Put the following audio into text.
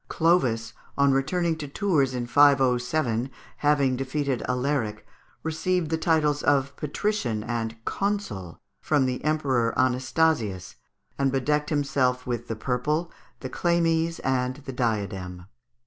Clovis on returning to Tours in 507, after having defeated Alaric, received the titles of Patrician and Consul from the Emperor Anastasius, and bedecked himself with the purple, the chlamys, and the diadem.